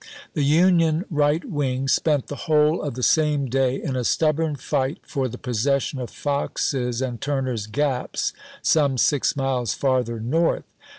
The Union right wing spent the whole chap. vii. of the same day in a stubborn fight for the pos session of Fox's and Turner's Gaps, some six miles farther north.